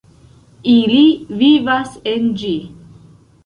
Ili vivas en ĝi.